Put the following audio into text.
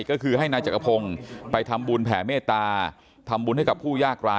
ก็คือให้นายจักรพงศ์ไปทำบุญแผ่เมตตาทำบุญให้กับผู้ยากร้าย